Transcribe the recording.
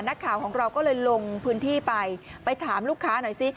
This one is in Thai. นักข่าวของเราก็เลยลงพื้นที่ไปไปถามลูกค้าหน่อยสิ